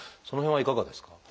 その辺はいかがですか？